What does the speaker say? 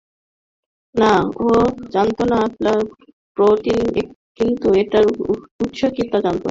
না, ও জানত এটা প্রোটিন, কিন্তু এটার উৎস কী তা জানত না।